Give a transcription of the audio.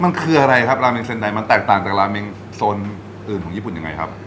มันคืออะไรครับราเมงเซนไดมันแตกต่างจากราเมงโซนอื่นของญี่ปุ่นยังไงครับ